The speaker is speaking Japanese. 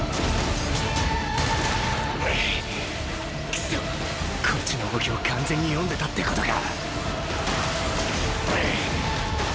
クソッこっちの動きを完全に読んでたってことか！